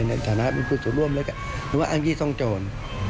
ในฐานะพิสูจน์ร่วมเลยค่ะนึกว่าอังกฤษทรงโจร